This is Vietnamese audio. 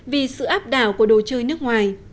vì sự áp đảo của đồ chơi nước ngoài